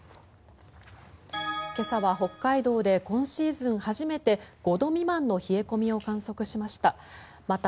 今朝は北海道で今シーズン初めて５度未満の冷え込みを観測しました。